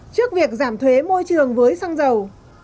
trước việc giảm thuế môi trường với xăng dầu